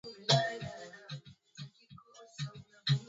watu hudhani viazi lishe nivya kuchemsha na kukaanga tu